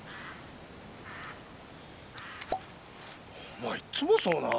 お前いっつもそうな。